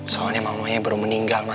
soalnya mama mama baru meninggal ma